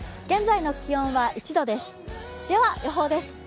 現在の気温は１度です。